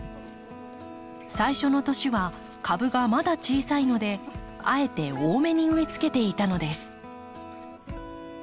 最初の年は株がまだ小さいのであえて多めに植えつけていたのです。